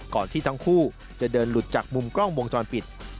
ก่อนที่ทั้งคู่จะเดินหลุดจากมุมกล้องวงจรปิด